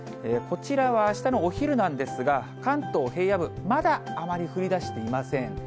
こちらはあしたのお昼なんですが、関東平野部、まだあまり降りだしていません。